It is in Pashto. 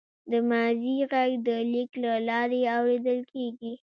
د ماضي غږ د لیک له لارې اورېدل کېږي.